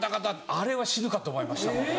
あれは死ぬかと思いました。